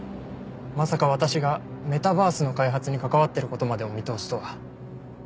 まさか私がメタバースの開発に関わってる事までお見通しとは。